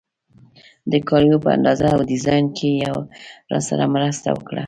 د کالیو په اندازه او ډیزاین کې یې راسره مرسته وکړه.